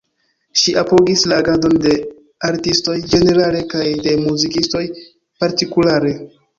Ŝi apogis la agadon de artistoj ĝenerale kaj de muzikistoj partikulare.